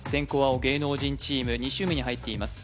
青芸能人チーム２周目に入っています